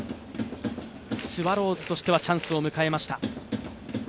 スワローズとしてはチャンスを迎えました。